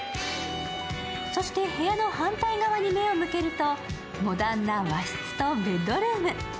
そして、部屋の反対側に目を向けるとモダンな和室とベッドルーム。